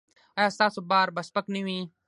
ایا ستاسو بار به سپک نه وي؟